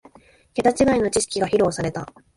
ケタ違いの知識が披露された